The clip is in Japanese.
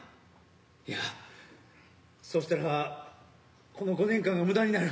いやそしたらこの５年間が無駄になる。